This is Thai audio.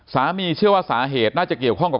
เชื่อว่าสาเหตุน่าจะเกี่ยวข้องกับ